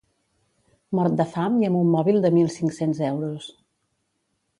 Mort de fam i amb un mòbil de mil cinc-cents Euros